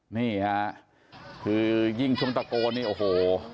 นี่ค่ะคือยิ่งช่วงตะโกนนี่โอ้โห